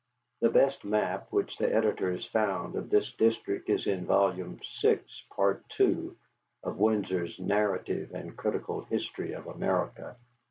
¹The best map which the editor has found of this district is in vol. VI, Part 11, of Winsor's "Narrative and Critical History of America," p.